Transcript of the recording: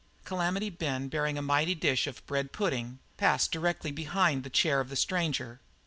Calamity Ben bearing a mighty dish of bread pudding, passed directly behind the chair of the stranger.